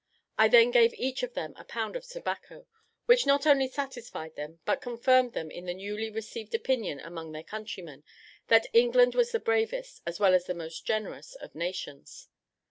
I then gave each of them a pound of tobacco, which not only satisfied them, but confirmed them in the newly received opinion among their countrymen, that England was the bravest as well as the most generous of nations.